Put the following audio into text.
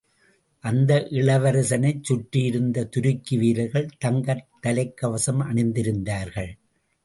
அந்த இளவரசனைச் சுற்றியிருந்த துருக்கி வீரர்கள், தங்கத் தலைக்கவசம் அணிந்திருந்தார்கள்.